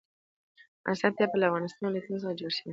د افغانستان طبیعت له د افغانستان ولايتونه څخه جوړ شوی دی.